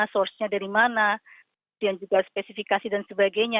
source nya dari mana kemudian juga spesifikasi dan sebagainya